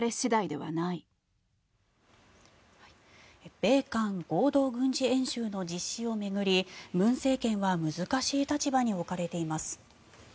米韓合同軍事演習の実施を巡り文政権は難しい立場に置かれています。